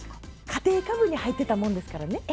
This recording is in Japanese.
家庭科部に入ってたもんですからね。